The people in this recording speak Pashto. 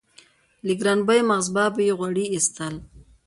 له ګرانبیو مغزبابو یې غوړي اېستل.